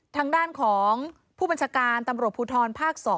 ทางด้านของผู้บัญชาการตำรวจภูทรภาค๒